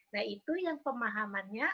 nah itu yang pemahamannya